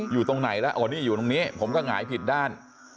อยู่ตรงไหนแล้วโอ้นี่อยู่ตรงนี้ผมก็หงายผิดด้าน